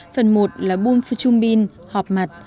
phần một là bôn phu chung bin họp mặt